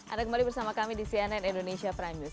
anda kembali bersama kami di cnn indonesia prime news